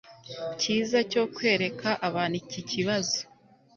cyiza cyo kwereka abantu iki kibazo